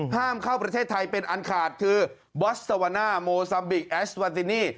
ห้ามเข้าประเทศไทยเป็นอันขาดคือบอสเตอวาน่าโมซัมบิกแอสวาตินี่